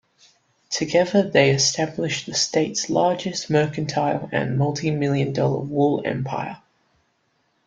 Together they established the state's largest mercantile and a multi-million dollar wool empire.